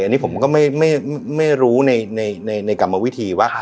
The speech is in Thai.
อันนี้ผมก็ไม่รู้ในกรรมวิธีว่า